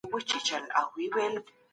سفیرانو به په قانون کي مساوات رامنځته کاوه.